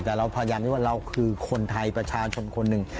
แต่เราพยายามที่ว่าเราคือคนไทยประชาชนคนหนึ่ง